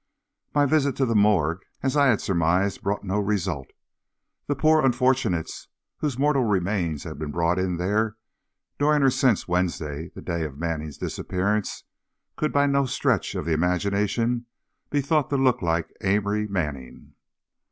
My visit to the morgue, as I had surmised, brought no result. The poor unfortunates whose mortal remains had been brought there during or since Wednesday, the day of Manning's disappearance, could by no stretch of the imagination be thought to look like Amory Manning.